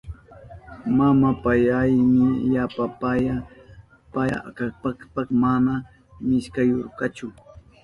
Mama payayni yapa paya kashpanpas mana wiskuyarkachu.